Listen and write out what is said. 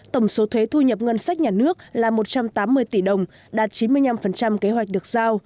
tổng số thuế thu nhập ngân sách nhà nước là một trăm tám mươi tỷ đồng đạt chín mươi năm kế hoạch được giao